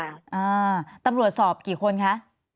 อ่าตำรวจสอบกี่คนคะ